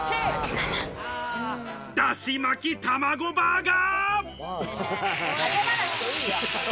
だし巻き卵バーガー！